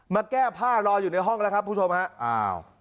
แก้ผ้ารออยู่ในห้องแล้วครับคุณผู้ชมฮะอ้าว